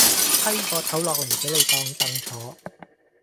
批個頭落嚟畀你當凳坐